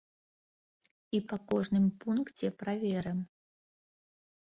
І па кожным пункце праверым.